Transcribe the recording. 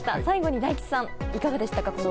最後に大吉さんいかがでしたか？